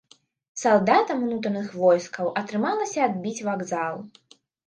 Салдатам унутраных войскаў атрымалася адбіць вакзал.